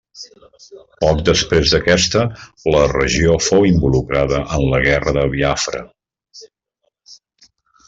Poc després d'aquesta, la regió fou involucrada en la Guerra de Biafra.